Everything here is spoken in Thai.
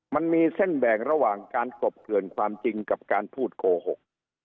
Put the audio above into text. มันมีเส้นแบ่งระหว่างการกบเกลื่อนความจริงกับการพูดโกหก